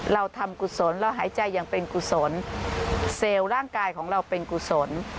เราทำกุศลเราหายใจอย่างเป็นกุศลเซลล์ร่างกายของเราเป็นกุศล